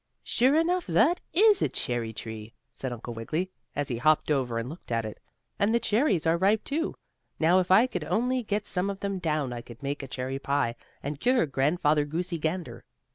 "Sure enough, that is a cherry tree," said Uncle Wiggily, as he hopped over and looked at it. "And the cherries are ripe, too. Now, if I could only get some of them down I could make a cherry pie, and cure Grandfather Goosey Gander."